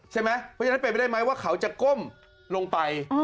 ใช่ไหมเพราะฉะนั้นเป็นไปได้ไหมว่าเขาจะก้มลงไป